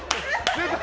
出た！